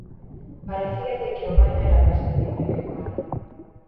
Parecíalle que o baño era máis temible có mar.